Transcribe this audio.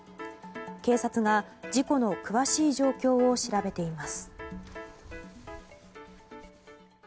警察が事故の詳しい状況を調べています。